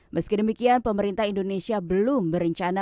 meski demikian pemerintah indonesia belum berencana